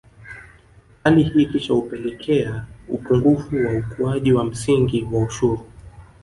Hali hii kisha hupelekea upungufu wa ukuaji wa msingi wa ushuru